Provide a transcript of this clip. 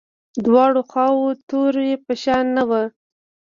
دواړو خواوو توري یو شان نه وو.